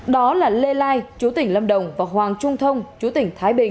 đó là lê lai chú tỉnh lâm đồng và hoàng trung thông chú tỉnh thái bình